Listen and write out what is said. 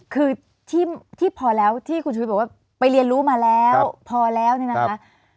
คือที่พอแล้วที่คุณชุวิตบอกว่าไปเรียนรู้มาแล้วพอแล้วเนี่ยนะคะ